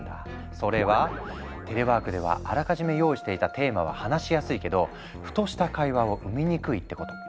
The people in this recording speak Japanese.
それはテレワークではあらかじめ用意していたテーマは話しやすいけどふとした会話を生みにくいってこと。